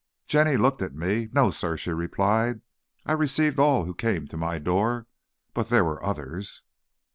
Jenny looked at me. "No, sir," she replied; "I received all who came to my door, but there were others!"